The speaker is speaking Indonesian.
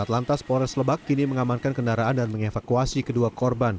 atlantas polres lebak kini mengamankan kendaraan dan mengevakuasi kedua korban